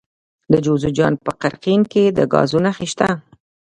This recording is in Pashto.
د جوزجان په قرقین کې د ګازو نښې شته.